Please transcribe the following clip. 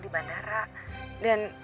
di bandara dan